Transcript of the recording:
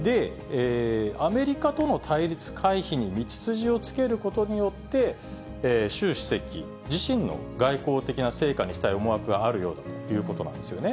アメリカとの対立回避に道筋をつけることによって、習主席自身の外交的な成果にしたい思惑があるようだということなんですよね。